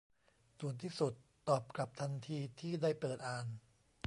ด่วนที่สุด ตอบกลับทันทีที่ได้เปิดอ่าน